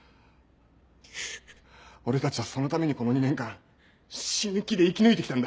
俺たちはそのためにこの２年間死ぬ気で生き抜いてきたんだ。